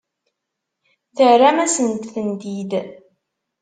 Terram-asent-tent-id?